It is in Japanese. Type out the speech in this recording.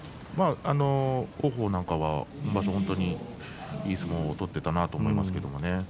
王鵬なんかは本当にいい相撲を取っていたなと思います。